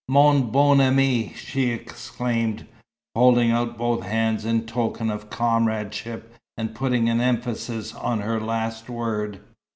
"Mon bon ami!" she exclaimed, holding out both hands in token of comradeship, and putting emphasis on her last word.